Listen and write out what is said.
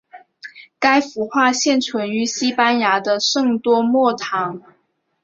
这幅画现存于西班牙的圣多默堂。